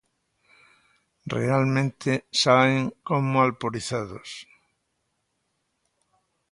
Realmente saen como alporizados.